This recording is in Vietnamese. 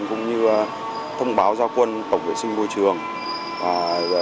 cũng như thông báo giao quân tổng vệ sinh môi trường